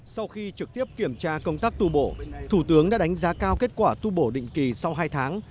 sau khi trực tiếp kiểm tra công tác tu bổ thủ tướng đã đánh giá cao kết quả tu bổ định kỳ sau hai tháng